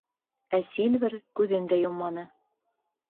Ә Сильвер күҙен дә йомманы.